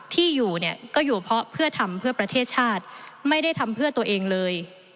ที่อยู่เนี่ยก็อยู่เพราะเพื่อทำเพื่อประเทศชาติไม่ได้ทำเพื่อตัวเองเลย